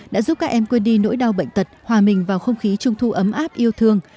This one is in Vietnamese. đã giúp các em quên đi nỗi đau bệnh tật hòa mình vào không khí trung thu ấm áp yêu thương